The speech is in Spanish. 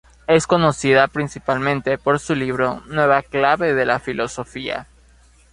Es conocida principalmente por su libro "Nueva clave de la filosofía.